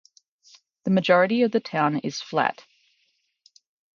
The majority of the town is flat.